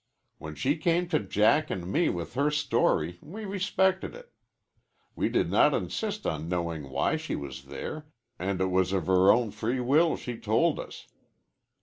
When she came to Jack and me with her story, we respected it. We did not insist on knowing why she was there, and it was of her own free will she told us.